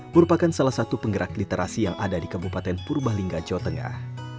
merupakan salah satu penggerak literasi yang ada di kabupaten purbalingga jawa tengah